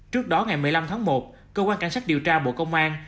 trước đó ngày một mươi năm tháng một cơ quan cảnh sát điều tra bộ công an